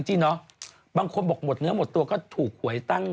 จริงเนาะบางคนบอกหมดเนื้อหมดตัวก็ถูกหวยตั้ง